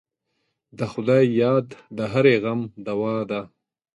د خدای یاد د هرې غم دوا ده.